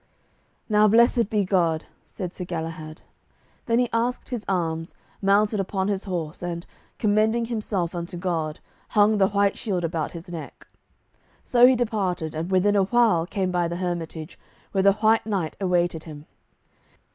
"Now blessed be God," said Sir Galahad. Then he asked his arms, mounted upon his horse, and, commending himself unto God, hung the white shield about his neck. So he departed, and within a while came by the hermitage, where the White Knight awaited him.